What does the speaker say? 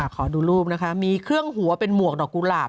ขอดูรูปนะคะมีเครื่องหัวเป็นหมวกดอกกุหลาบ